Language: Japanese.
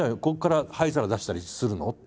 ここから灰皿出したりするの？」